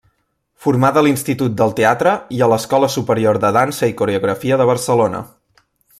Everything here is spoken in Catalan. Formada a l'Institut del Teatre i a l'Escola Superior de Dansa i coreografia de Barcelona.